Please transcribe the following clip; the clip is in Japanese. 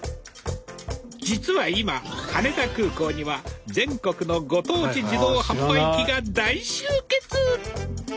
実は今羽田空港には全国のご当地自動販売機が大集結！